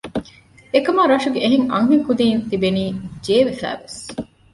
އެކަމާ ރަށުގެ އެހެން އަންހެން ކުދީން ތިބެނީ ޖޭވެފައިވެސް